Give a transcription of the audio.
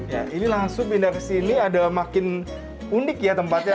ya ini langsung pindah ke sini ada makin unik ya tempatnya